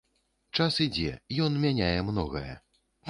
Час ідзе, ён мяняе многае.